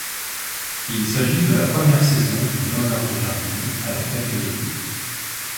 Il s'agit de la première saison de Leonardo Jardim à la tête de l'équipe.